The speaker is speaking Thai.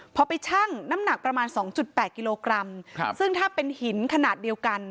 พอไปชั่งน้ำหนักประมาณสองจุดแปดกิโลกรัมซึ่งถ้าเป็นหินขนาดเดียวกัน